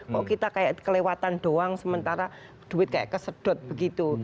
kok kita kayak kelewatan doang sementara duit kayak kesedot begitu